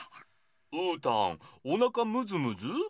うーたんおなかむずむず？